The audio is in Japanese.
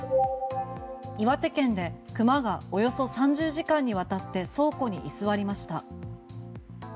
岩手県で熊がおよそ３０時間にわたって倉庫に居座りました。